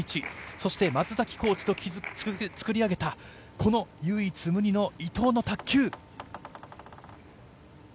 そして松崎コーチと作り上げたこの唯一無二の伊藤の卓球。